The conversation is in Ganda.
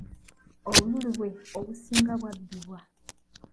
Obululu bwe obusinga bwabbibwa.